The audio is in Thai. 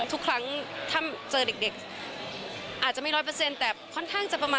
ทุกครั้งถ้าเจอเด็กอาจจะไม่ร้อยเปอร์เซ็นต์